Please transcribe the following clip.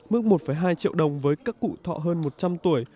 mức một hai triệu đồng với các cụ thọ hơn một trăm linh tuổi